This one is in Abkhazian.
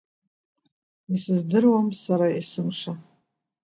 Исыздыруам, сара есымша.